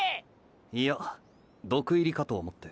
いや毒入りかと思って。